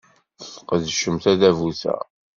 Tesqedcem tadabut-a.